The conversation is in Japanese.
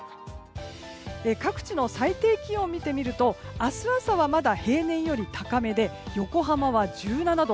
各地の最低気温を見てみると明日朝はまだ平年より高めで横浜は１７度。